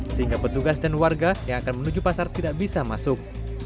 sehingga petugas dan warga yang akan menuju pasar tidak bisa masuk